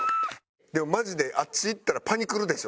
でもマジであっち行ったらパニクるでしょ？